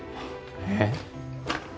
えっ？